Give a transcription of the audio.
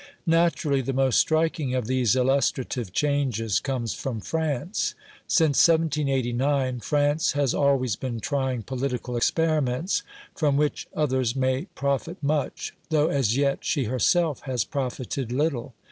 Naturally, the most striking of these illustrative changes comes from France. Since 1789 France has always been trying political experiments, from which others may profit much, though as yet she herself has profited little.